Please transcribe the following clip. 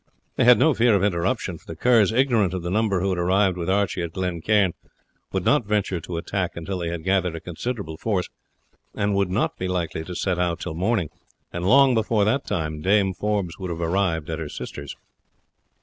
They had no fear of interruption, for the Kerrs, ignorant of the number who had arrived with Archie at Glen Cairn, would not venture to attack until they had gathered a considerable force, and would not be likely to set out till morning, and long before that time Dame Forbes would have arrived at her sister's.